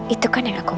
itu kan yang aku mau